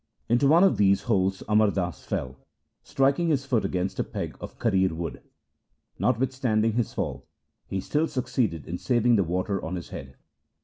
Into one of these holes Amar Das fell, striking his foot against a peg of karir 1 wood. Notwithstanding his fall he still succeeded in saving the water on his head.